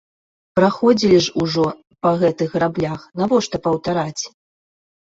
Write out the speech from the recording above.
Праходзілі ж ужо па гэтых граблях, навошта паўтараць?